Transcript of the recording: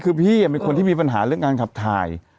คือพี่เป็นคนที่มีปัญหาเรื่องการขับถ่าย